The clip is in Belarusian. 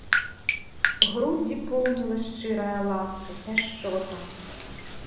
Грудзі поўніла шчырая ласка, пяшчота.